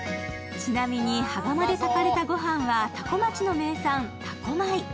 ちなみに、羽釜で炊かれたご飯は多古町の名産、多古米。